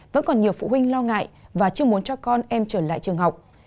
vẫn còn nhiều phụ huynh lo ngại và chưa muốn cho con em trở lại trường học